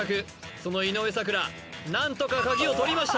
その井上咲楽何とかカギを取りました